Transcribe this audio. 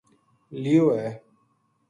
لیو ہے